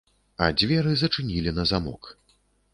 А дзверы зачынілі на замок.